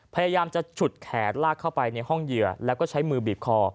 พยายามจะฉุดแขนลากเข้าไปในห้องเหยื่อแล้วก็ใช้มือบีบคอ